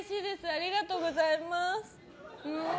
ありがとうございます。